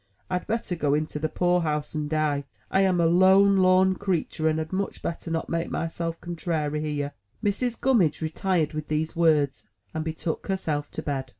I had better go into the Poor house and die. I am a lone lorn creetur, and had much better not make myself contrairy here!" Mrs. Gummidge retired with these words, and betook herself to bed.